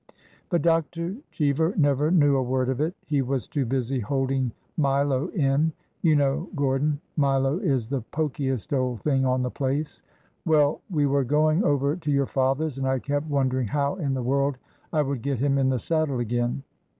'' But Dr. Cheever never knew a word of it. Pie was too busy holding Milo in. You know, Gordon, Milo is the pokiest old thing on the place! Well, we were going over to your father's, and I kept wondering how in the world I would get him in the saddle again.